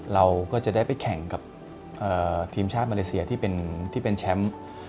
เราก็จะได้ไปแข่งกับทีมชาติมาเลเซียที่เป็นแชมป์